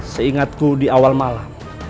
seingatku di awal malam